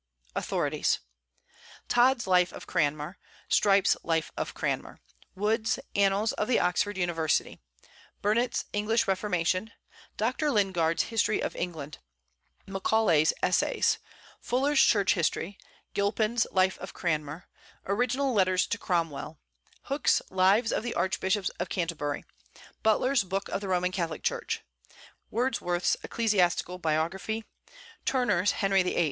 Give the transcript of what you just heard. AUTHORITIES. Todd's Life of Cranmer; Strype's Life of Cranmer; Wood's Annals of the Oxford University; Burnet's English Reformation; Doctor Lingard's History of England; Macaulay's Essays; Fuller's Church History; Gilpin's Life of Cranmer; Original Letters to Cromwell; Hook's Lives of the Archbishops of Canterbury; Butler's Book of the Roman Catholic Church; Wordsworth's Ecclesiastical Biography; Turner's Henry VIII.